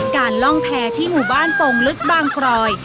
ล่องแพร่ที่หมู่บ้านโป่งลึกบางกรอย